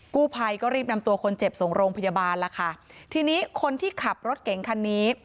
กู้ภัยก็รีบนำตัวคนเจ็บส่งโรงพยาบาลล่ะค่ะทีนี้คนที่ขับรถเก่งคันนี้